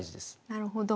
なるほど。